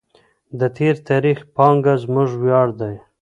د تېر تاریخ پانګه زموږ ویاړ دی.